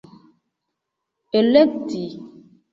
elekti